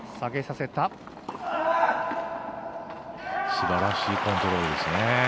すばらしいコントロールです。